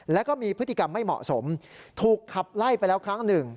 แล้วก็มีพฤติกรรมไม่เหมาะสมถูกขับไล่ไปแล้วครั้งหนึ่ง